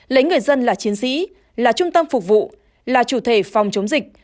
lấy người dân là chiến sĩ là trung tâm phục vụ là chủ thể phòng chống dịch